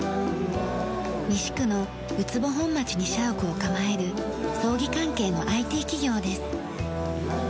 西区の靱本町に社屋を構える葬儀関係のＩＴ企業です。